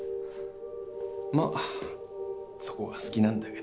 まあそこが好きなんだけど。